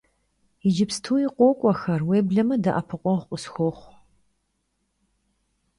Yicıpstui khok'uexer, vuêbleme de'epıkhueğu khısxuoxhu.